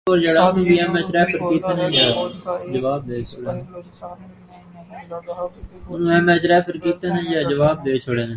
ساتھ یہ جھوٹ بھی بولا ہے کہ فوج کا ایک بھی سپاہی بلوچستان میں نہیں لڑ رہا بلکہ فوجی بیرکوں میں بیٹھے ہیں